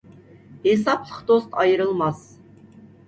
ھېسابلىق دوست ئايرىلماس.